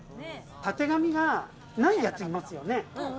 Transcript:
たてがみが、ない奴いますよね。